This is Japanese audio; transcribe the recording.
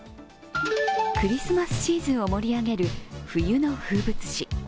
クリスマスシーズンを盛り上げる冬の風物詩。